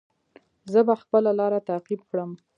زه به خپله لاره تعقیب کړم.